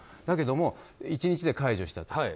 だけれども、１日で解除したと。